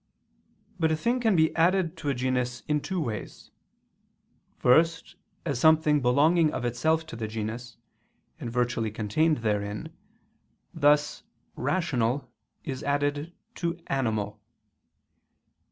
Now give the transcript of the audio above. But a thing can be added to a genus in two ways. First, as something belonging of itself to the genus, and virtually contained therein: thus "rational" is added to "animal."